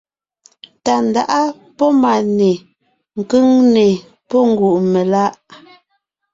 Tàndáʼa pɔ́ Máne; Kʉ̀ŋne pɔ́ Ngùʼmelaʼ.